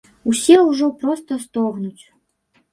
Усе ўжо проста стогнуць.